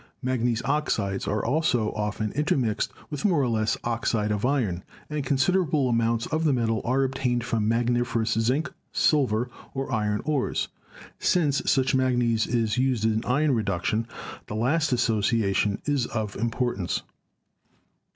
Manganese oxides are also often in termixed with more or less oxide of iron, and consider able amounts of the metal are obtained from manganifer ous zinc, silver or iron ores. Since much manganese is used in iron reduction, the last association is of impor tance.